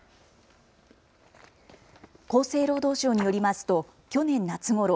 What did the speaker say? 厚生労働省によりますと去年夏ごろ